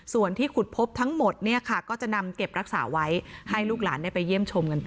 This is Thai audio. ส่วนที่ขุดพบทั้งหมดเนี่ยค่ะก็จะนำเก็บรักษาไว้ให้ลูกหลานได้ไปเยี่ยมชมกันต่อ